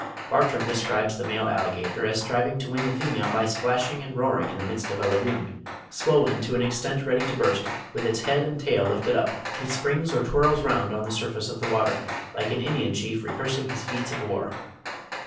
Bartram (54. 'Travels through Carolina,' etc., 1791, p. 128.) describes the male alligator as striving to win the female by splashing and roaring in the midst of a lagoon, "swollen to an extent ready to burst, with its head and tail lifted up, he springs or twirls round on the surface of the water, like an Indian chief rehearsing his feats of war."